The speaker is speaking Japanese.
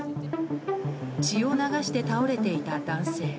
血を流して倒れていた男性。